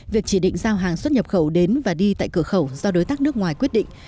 việc chỉ định giao hàng xuất nhập khẩu đến và đi tại cửa khẩu do đối tác nước ngoài quyết định